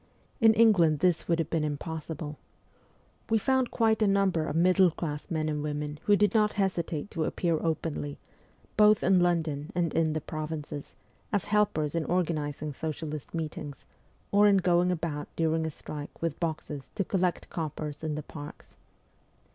In England this would have been impossible. We found quite a number of middle class men and women who did not hesitate to appear openly, both in London and in the provinces, as helpers in organizing socialist meetings, or in going about during a strike with boxes to collect coppers in the parks.